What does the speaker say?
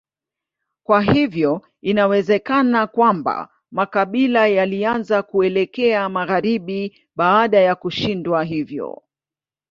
Kwa hiyo inawezekana kwamba makabila yalianza kuelekea magharibi baada ya kushindwa hivyo.